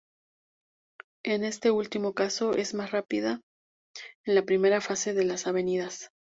En este último caso es más rápida en la primera fase de las avenidas.